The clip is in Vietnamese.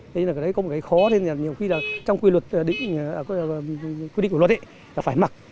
thế nên là cái đấy có một cái khó nhiều khi là trong quy định của luật ấy là phải mặc